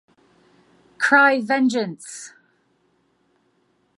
Cry Vengeance!